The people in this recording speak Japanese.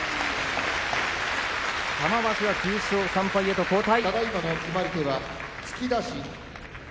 玉鷲は９勝３敗と後退。